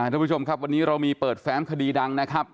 ทุกผู้ชมครับวันนี้เรามีเปิดแฟ้มคดีดังนะครับ